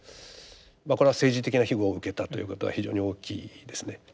これは政治的な庇護を受けたということが非常に大きいですね。